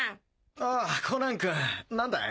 あコナン君何だい？